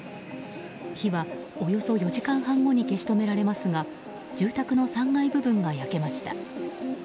火はおよそ４時間半後に消し止められますが住宅の３階部分が焼けました。